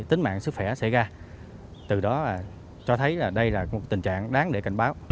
tính mạng sức khỏe xảy ra từ đó cho thấy đây là một tình trạng đáng để cảnh báo